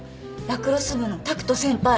ラクロス部の拓人先輩。